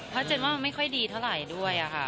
เพราะเจนว่ามันไม่ค่อยดีเท่าไหร่ด้วยค่ะ